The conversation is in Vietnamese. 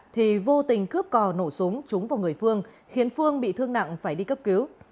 thì vô tình cướp cò nổ súng trúng vào người phương khiến phương bị thương nặng phải đi cấp cứu